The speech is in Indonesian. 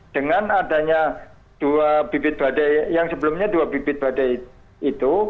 dengan adanya dua bibit badai yang sebelumnya dua bibit badai itu